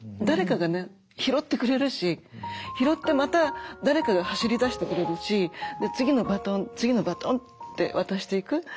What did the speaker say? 誰かがね拾ってくれるし拾ってまた誰かが走りだしてくれるし次のバトン次のバトンって渡していく。